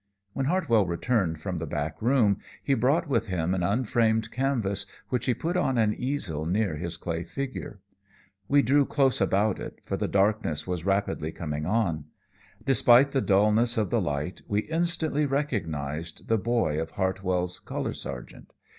When Hartwell returned from the back room, he brought with him an unframed canvas which he put on an easel near his clay figure. We drew close about it, for the darkness was rapidly coming on. Despite the dullness of the light, we instantly recognized the boy of Hartwell's "Color Sergeant."